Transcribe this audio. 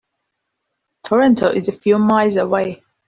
Toronto is a few miles away.